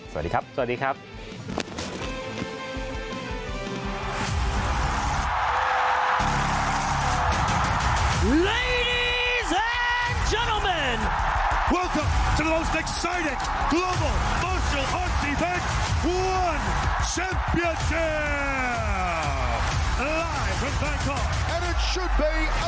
สวัสดีครับ